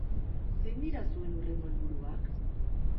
Zein dira zuen hurrengo helburuak?